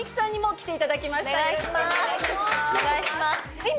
お願いします。